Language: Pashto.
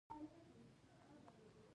چې دا هم یو بل فضايي لومړیتوب و.